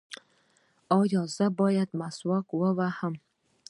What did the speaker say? ایا زه باید مسواک ووهم؟